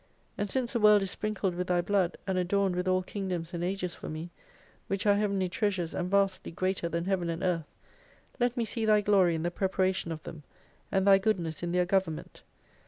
And since the World is sprinkled with Thy blood, and adorned with all Kingdoms and Ages for me : which are Heavenly Treasures and vastly greater than Heaven and Earth, let me see Thy glory in the prepa ration of them, and Thy goodness in their government.